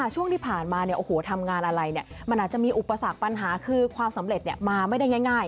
ช่วงที่ผ่านมาเนี่ยโอ้โหทำงานอะไรเนี่ยมันอาจจะมีอุปสรรคปัญหาคือความสำเร็จเนี่ยมาไม่ได้ง่าย